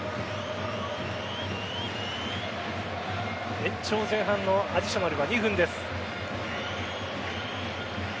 延長前半のアディショナルは２分です。